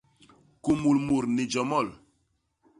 Kumul mut ni jomol.